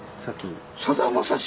さだまさし